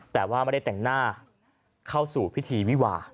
แต่ว่าไม่ได้แต่งหน้าเข้าสู่พิธีวิวา